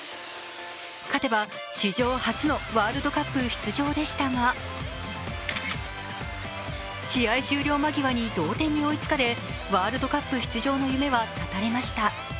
勝てば史上初のワールドカップ出場でしたが試合終了間際に同点に追いつかれワールドカップ出場の夢は断たれました。